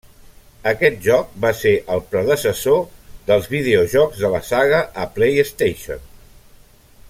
Aquest joc va ser el predecessor dels videojocs de la saga a PlayStation.